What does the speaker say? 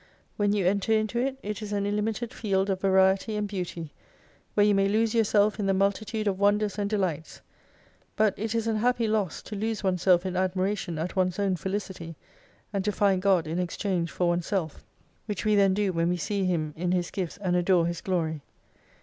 When you enter into it, it is an illimited field of Variety and Beauty : where you may lose yourself in the multitude of Wonders and Delights. But it is an happy loss to lose oneself in admiration at one's own Felicity : and to find GOD in exchange for oneself. Which we 12 then do when we see Him in His Gifts, and adore His Glory.